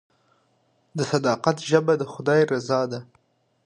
د صداقت ژبه د خدای رضا ده.